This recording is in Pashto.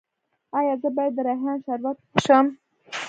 ایا زه باید د ریحان شربت وڅښم؟